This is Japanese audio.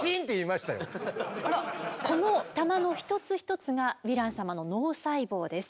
この玉の一つ一つがヴィラン様の脳細胞です。